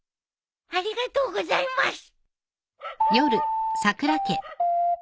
ありがとうございます！